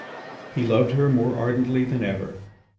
He loved her more ardently than ever.